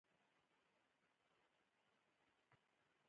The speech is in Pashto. مصنوعي ځیرکتیا د ټولنیز مسؤلیت احساس زیاتوي.